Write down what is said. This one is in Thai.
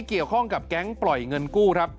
เกี่ยวข้องกับแก๊งปล่อยเงินกู้ครับ